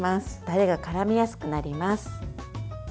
タレがからみやすくなります。